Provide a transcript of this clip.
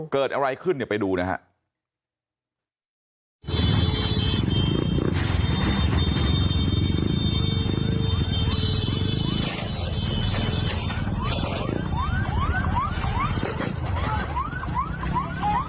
เกิดอะไรขึ้นเนี่ยไปดูนะครับ